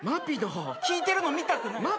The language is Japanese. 聞いてるの見たって何？